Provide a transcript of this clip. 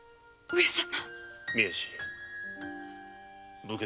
上様。